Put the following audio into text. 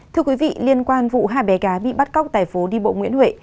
thưa quý vị liên quan vụ hai bé gái bị bắt cóc tại phố đi bộ nguyễn huệ